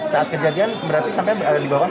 saat kejadian berarti sampai di bawah